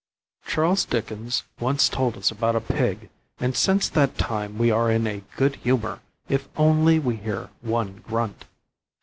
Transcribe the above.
Charles Dickens once told us about a pig, and since that time we are in a good humour if we only hear one grunt.